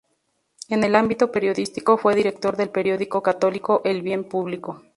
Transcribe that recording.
En el ámbito periodístico, fue director del periódico católico "El Bien Público".